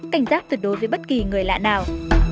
cảnh giác tuyệt đối với bất kỳ người lạ nào